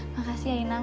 makasih ya inang